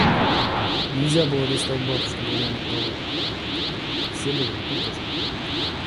Нельзя было достать баб, чтобы вымыть полы, — все были на картошках.